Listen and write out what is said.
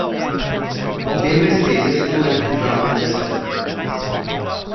There were stages to and from Weston.